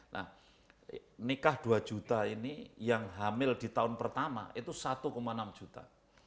nah nikah dua juta ini yang hamil di tahun pertama itu satu enam juta